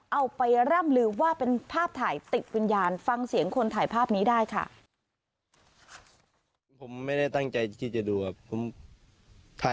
ไปร่ำลือว่าเป็นภาพถ่ายติดวิญญาณฟังเสียงคนถ่ายภาพนี้ได้ค่ะ